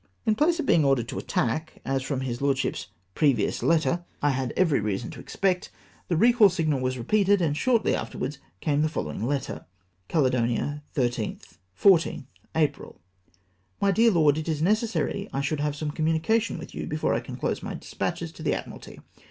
In place of being ordered to attack, as from his lordship's previous letter I had every reason to ex 396 REMONSTRATE WITH LORD CAMBIER. pect, the recall signal was repeated, and shortly after wards came the following letter :—" Caledonia, 13th (14th) April. "My dear Lord, — It is necessary I should have some com munication with you before I close my despatches to the Admiralty.